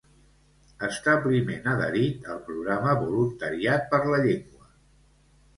Establiment adherit al programa Voluntariat per la Llengua